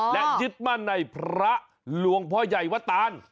และยึดมั่นในพระหลวงพ่อใหญ่วตาน